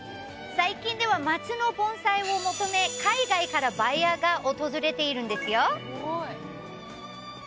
最近では松の盆栽を求め、海外からバイヤーが訪れているんですよ。